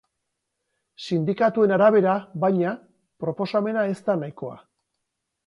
Sindikatuen arabera, baina, proposamena ez da nahikoa.